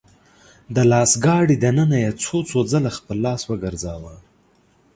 د لاس ګاډي دننه يې څو څو ځله خپل لاس وګرځاوه .